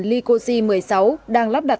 lycosi một mươi sáu đang lắp đặt